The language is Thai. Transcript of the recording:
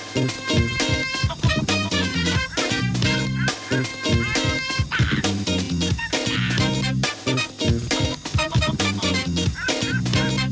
สวัสดีค่ะชาวใส่ไทยสดใหม่ให้เยอะ